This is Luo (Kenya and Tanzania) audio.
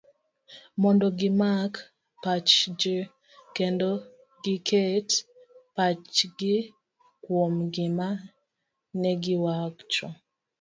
mondo gimak pach ji, kendo giket pachgi kuom gima negiwacho